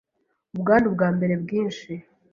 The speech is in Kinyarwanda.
ubwandu bwa mbere bwinshi